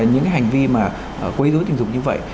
những cái hành vi mà quấy dối tình dục như vậy